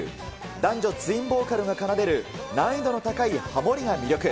男女ツインボーカルが奏でる難易度の高いはもりが魅力。